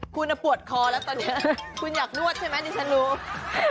คุณปวดคอแล้วตอนนี้คุณอยากนวดใช่ไหมดิฉันรู้